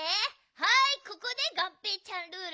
はいここでがんぺーちゃんルール。